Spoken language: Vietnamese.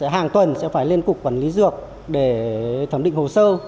hàng tuần sẽ phải lên cục quản lý dược để thẩm định hồ sơ